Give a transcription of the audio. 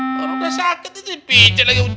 aduh orang udah sakit dia dipicit lagi